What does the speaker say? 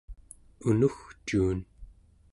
unugcuun